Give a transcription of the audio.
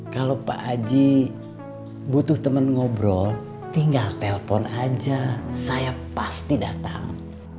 kalau pak aji butuh teman ngobrol tinggal telpon aja saya pasti datang